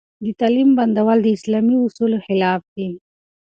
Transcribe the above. د تعليم بندول د اسلامي اصولو خلاف دي.